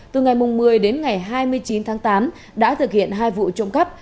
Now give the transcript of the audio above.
từ ngày một mươi đến ngày hai mươi chín tháng tám đã thực hiện hai vụ trộm cắp